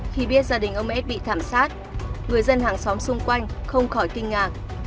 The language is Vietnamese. khi biết gia đình ông s bị thảm sát người dân hàng xóm xung quanh không khỏi kinh nhà